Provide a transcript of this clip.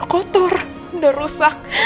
kotor udah rusak